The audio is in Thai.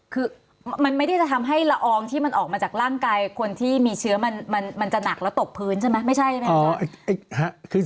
คือมันไม่ได้จะทำให้ละอองที่มันออกมาจากร่างกายคนที่มีเชื้อมันจะหนักแล้วตกพื้นใช่ไหมไม่ใช่ใช่ไหม